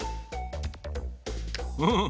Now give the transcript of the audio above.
フフ